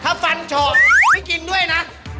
ถ้าฟันเฉาะไปกินด้วยนะ